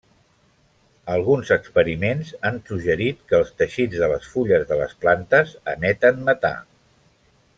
Alguns experiments han suggerit que els teixits de les fulles de les plantes emeten metà.